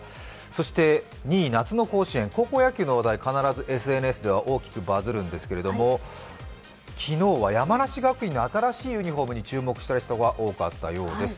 そして２位、夏の甲子園、高校野球の話題、必ずＳＮＳではバズるんですが昨日は山梨学院の新しいユニフォームに注目した人が多かったようです。